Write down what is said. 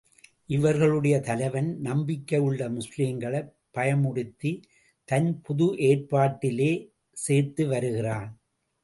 இவர்களுடைய தலைவன், நம்பிக்கையுள்ள முஸ்லிம்களைப் பயமுறுத்தித் தன் புது ஏற்பாட்டிலே சேர்த்துவருகிறான்.